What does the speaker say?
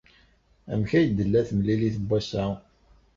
Amek ay d-tella temlilit n wass-a?